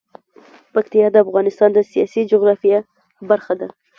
پکتیا د افغانستان د سیاسي جغرافیه برخه ده.